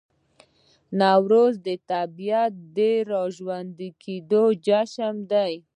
نوروز د طبیعت د راژوندي کیدو جشن دی.